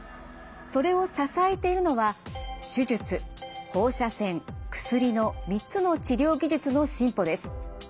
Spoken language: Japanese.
それを支えているのは３つの治療技術の進歩です。